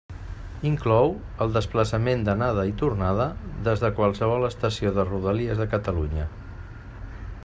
Inclou el desplaçament d'anada i tornada des de qualsevol estació de Rodalies de Catalunya.